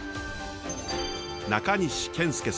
中西謙介さん。